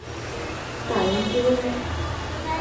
— Сайын тӱлена.